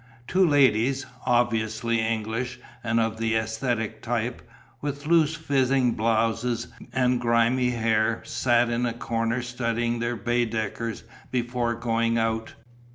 Two ladies, obviously English and of the æsthetic type, with loose fitting blouses and grimy hair, sat in a corner studying their Baedekers before going out.